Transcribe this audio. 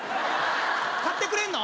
買ってくれんの？